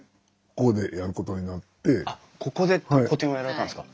あっここで個展をやられたんですか？